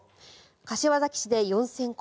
柏崎市で４０００戸